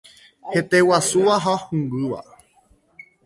Heteguasúva ha hũngýva.